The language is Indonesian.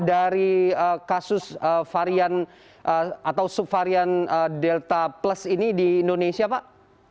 dari kasus varian atau subvarian delta plus ini di indonesia pak